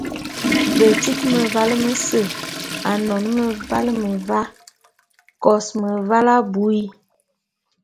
Betit mevale mese, anon meval meva, kos meval abui.